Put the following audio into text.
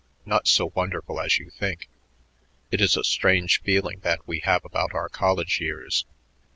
Not so wonderful as you think. It is a strange feeling that we have about our college years.